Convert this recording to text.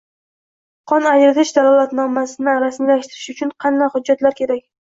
kon ajratish dalolatnomasini rasmiylashtirish uchun qanday xujjatlar kerak?